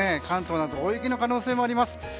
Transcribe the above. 関東など大雪の可能性もあります。